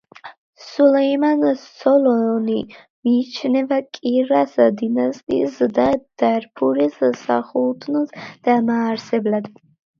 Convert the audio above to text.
სულეიმან სოლონი მიიჩნევა კირას დინასტიის და დარფურის სასულთნოს დამაარსებლად.